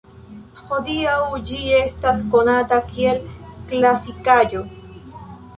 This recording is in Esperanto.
Hodiaŭ ĝi estas konata kiel klasikaĵo.